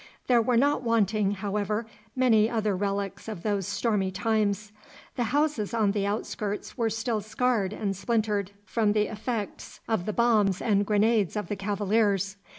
There were not wanting, however, many other relics of those stormy times. The houses on the outskirts were still scarred and splintered from the effects of the bombs and grenades of the Cavaliers.